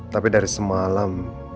tapi dari semalam